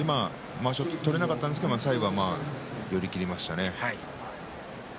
まわしは取れなかったんですが最後、寄り切りましたね。